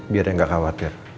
biar dia gak khawatir